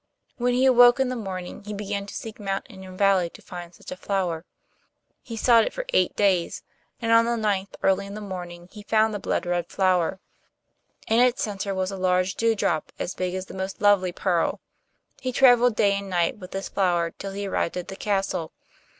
When he awoke in the morning he began to seek mountain and valley to find such a flower. He sought it for eight days, and on the ninth early in the morning he found the blood red flower. In its centre was a large dew drop, as big as the most lovely pearl. He travelled day and night with this flower till he arrived at the castle.